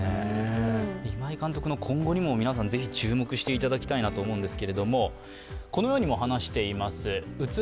今井監督の今後にも皆さん、ぜひ注目していただきたいと思います。